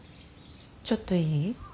ちょっといい？